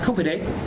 không phải đấy